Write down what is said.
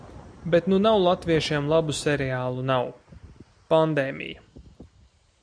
Bet nu nav latviešiem labu seriālu – nav. Pandēmija.